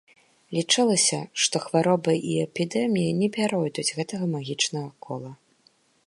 Лічылася, што хваробы і эпідэміі не пяройдуць гэтага магічнага кола.